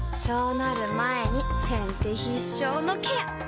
そうなる前に先手必勝のケア！